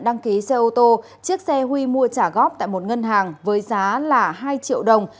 đăng ký xe ô tô chiếc xe huy mua trả góp tại một ngân hàng với giá là hai triệu đồng